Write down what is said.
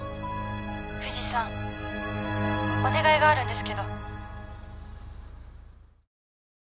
藤さんお願いがあるんですけど。